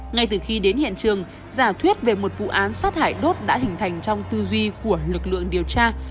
ngay từ khi đến hiện trường giả thuyết về một vụ án sát hại đốt đã hình thành trong tư duy của lực lượng điều tra